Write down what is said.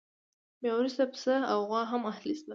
بیا وروسته پسه او غوا هم اهلي شول.